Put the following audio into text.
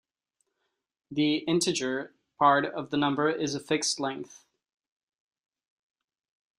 The integer part of the number is a fixed length.